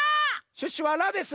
シュッシュはラです。